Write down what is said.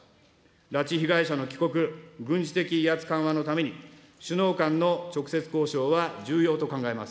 拉致被害者の帰国、軍事的威圧緩和のために、首脳間の直接交渉は重要と考えます。